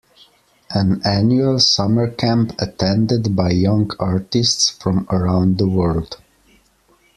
An annual summer camp attended by young artists from around the world.